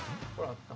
あった？